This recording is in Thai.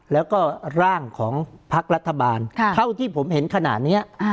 แล้วก็ร่างของพักรัฐบาลเท่าที่ผมเห็นขนาดนี้